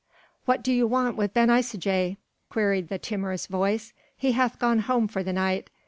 "What do you want with Ben Isaje?" queried the timorous voice, "he hath gone home for the night.